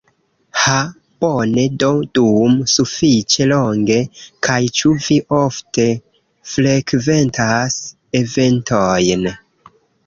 Ha bone do dum sufiĉe longe! kaj ĉu vi ofte frekventas eventojn